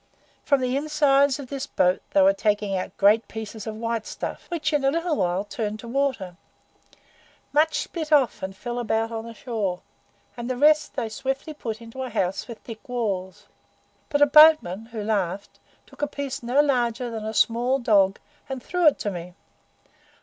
"From the insides of this boat they were taking out great pieces of white stuff, which, in a little while, turned to water. Much split off, and fell about on the shore, and the rest they swiftly put into a house with thick walls. But a boatman, who laughed, took a piece no larger than a small dog, and threw it to me.